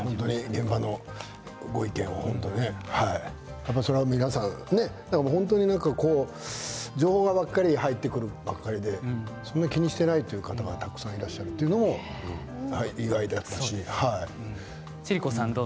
現場のご意見はねそれは、もちろん皆さん情報ばかり入ってくるばかりで気にしていないという方がたくさんいらっしゃるということが意外だったですね。